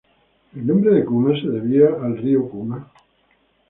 Kuma fue renombrada como debido al Río Kuma.